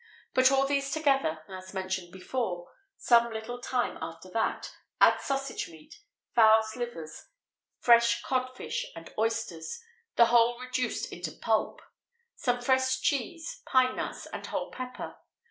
Put all these together, as mentioned before; some little time after that, add sausage meat, fowls' livers, fresh cod fish, and oysters the whole reduced into pulp some fresh cheese, pine nuts, and whole pepper.